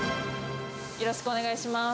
よろしくお願いします。